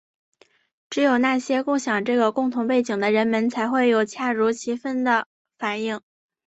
只有那些共享这个共同背景的人们才会有恰如其分的反应。